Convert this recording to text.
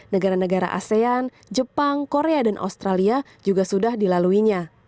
negara negara asean jepang korea dan australia juga sudah dilaluinya